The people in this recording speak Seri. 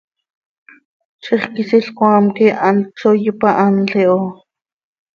Zixquisiil cmaam quih hant csooi ipahanl iho.